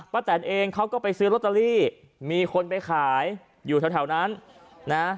แตนเองเขาก็ไปซื้อลอตเตอรี่มีคนไปขายอยู่แถวนั้นนะ